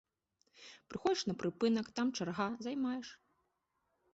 Прыходзіш на прыпынак, там чарга, займаеш.